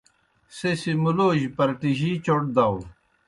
سہ سیْ مُلوجیْ پرٹِجِی چوْٹ داؤ۔